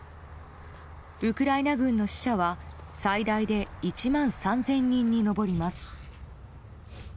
ウクライナ軍の死者は最大で１万３０００人に上ります。